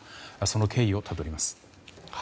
その経緯をたどります。